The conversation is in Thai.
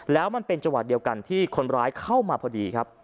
แล้วมันเป็นจังหวะเดียวกันที่คนร้ายเข้ามาพอดีครับ